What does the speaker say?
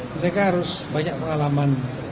mereka harus banyak pengalaman